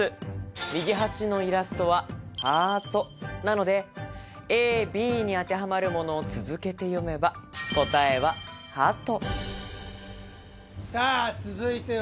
右端のイラストはハートなので、ＡＢに当てはまるものを続けて読めば、答えはハト。